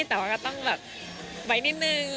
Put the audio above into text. แต่ว่าก็ต้องแบบไว้นิดนึง